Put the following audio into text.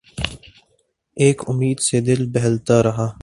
ایک امید سے دل بہلتا رہا